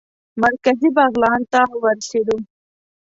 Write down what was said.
مرکزي بغلان ته ورسېدو.